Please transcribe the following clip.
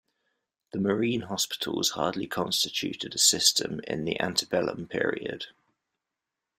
The marine hospitals hardly constituted a system in the Antebellum period.